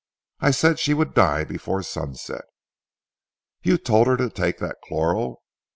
I said she would die before sunset." "You told her to take that chloral."